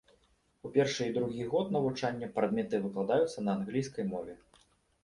У першы і другі год навучання прадметы выкладаюцца на англійскай мове.